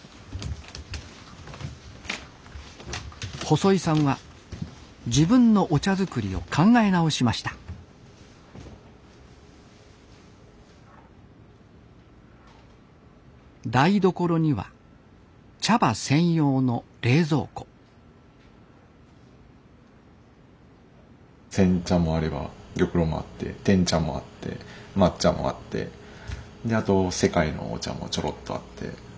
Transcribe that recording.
細井さんは自分のお茶作りを考え直しました台所には茶葉専用の冷蔵庫煎茶もあれば玉露もあって碾茶もあって抹茶もあってあと世界のお茶もちょろっとあって。